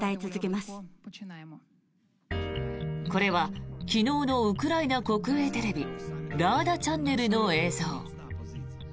これは昨日のウクライナ国営テレビラーダチャンネルの映像。